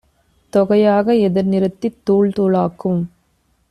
தொகையாக எதிர்நிறுத்தித் தூள் தூளாக்கும்